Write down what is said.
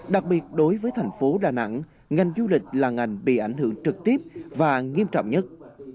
đặc biệt đối với thành phố đà nẵng ngành du lịch là ngành bị ảnh hưởng trực tiếp và nghiêm trọng nhất